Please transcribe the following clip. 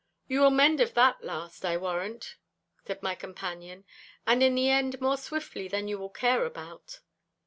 'You will mend of that last, I warrant,' said my companion, 'and in the end more swiftly than you will care about.